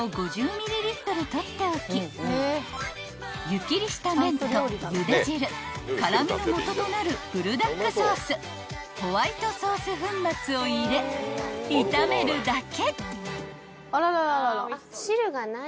［湯切りした麺とゆで汁辛味のもととなるブルダックソースホワイトソース粉末を入れ炒めるだけ］